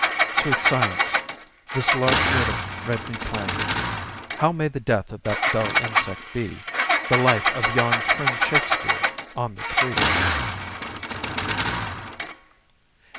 Sweet Science, this large riddle read me plain: How may the death of that dull insect be The life of yon trim Shakespeare on the tree?